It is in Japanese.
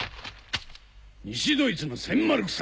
西ドイツの千マルク札！